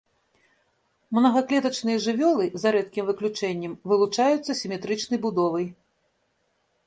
Мнагаклетачныя жывёлы, за рэдкім выключэннем, вылучаюцца сіметрычнай будовай.